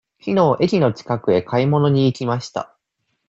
きのう駅の近くへ買い物に行きました。